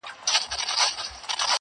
لکه قام وي د ټپوس او د بازانو-